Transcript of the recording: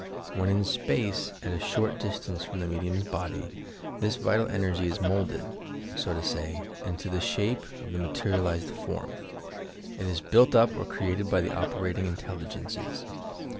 When in space, at a short distance from the medium's body, this vital energy is moulded, so to say, into the shape of the materialized form. It is built up or created by the operating intelligenees.